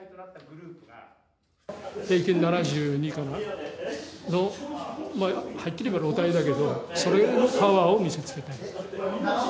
平均７２かな、の、はっきり言えば老体だけど、そのパワーを見せつけたい。